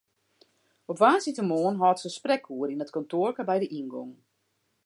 Op woansdeitemoarn hâldt se sprekoere yn it kantoarke by de yngong.